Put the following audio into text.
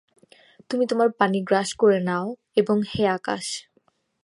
তুমি তোমার পানি গ্রাস করে নাও এবং হে আকাশ!